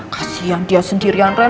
kasian dia sendirian ren